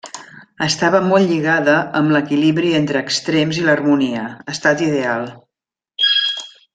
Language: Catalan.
Estava molt lligada amb l'equilibri entre extrems i l'harmonia, estat ideal.